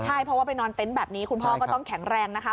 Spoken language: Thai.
ใช่เพราะว่าไปนอนเต็นต์แบบนี้คุณพ่อก็ต้องแข็งแรงนะคะ